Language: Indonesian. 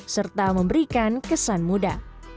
serta memberikan kesan muda